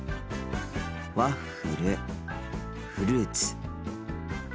ワッフル、フルーツか。